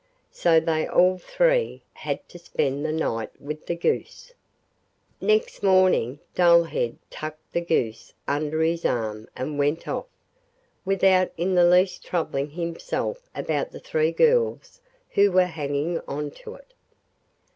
So they all three had to spend the night with the goose. Next morning Dullhead tucked the goose under his arm and went off, without in the least troubling himself about the three girls who were hanging on to it.